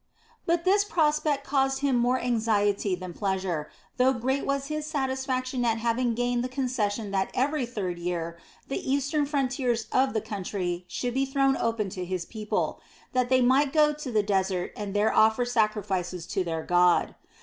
But this prospect caused him more anxiety than pleasure, though great was his satisfaction at having gained the concession that every third year the eastern frontiers of the country should be thrown open to his people, that they might go to the desert and there offer sacrifices to their God.